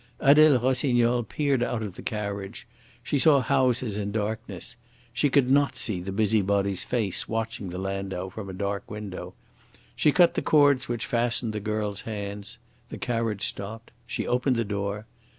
Adele Rossignol peered out of the carriage. She saw the houses in darkness. She could not see the busybody's face watching the landau from a dark window. She cut the cords which fastened the girl's hands. The carriage stopped. She opened the door.